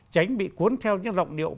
tránh bị cuốn theo những lọng điệu